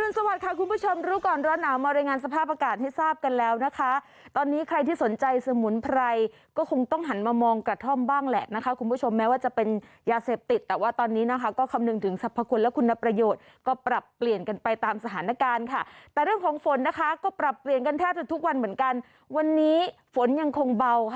รุนสวัสดิ์คุณผู้ชมรู้ก่อนร้อนหนาวมารายงานสภาพอากาศให้ทราบกันแล้วนะคะตอนนี้ใครที่สนใจสมุนไพรก็คงต้องหันมามองกระท่อมบ้างแหละนะคะคุณผู้ชมแม้ว่าจะเป็นยาเสพติดแต่ว่าตอนนี้นะคะก็คำนึงถึงสรรพคุณและคุณประโยชน์ก็ปรับเปลี่ยนกันไปตามสถานการณ์ค่ะแต่เรื่องของฝนนะคะก็ปรับเปลี่ยนกันแทบจะทุกวันเหมือนกันวันนี้ฝนยังคงเบาค่ะ